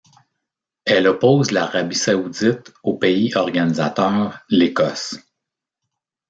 Elle oppose l'Arabie saoudite au pays organisateur, l'Écosse.